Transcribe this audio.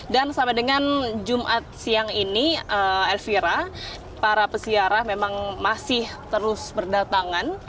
dan sama dengan jumat siang ini elvira para pesiarah memang masih terus berdatangan